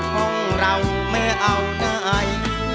ห้องเราไม่เอาไหน